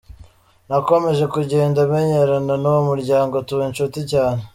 Nakomeje kugenda menyerana n’uwo muryango tuba inshuti cyane.